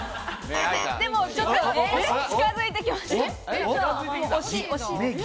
でも、ちょっと近づいてきました。